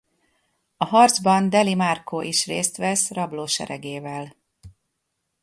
A harcban Deli Markó is részt vesz rabló seregével.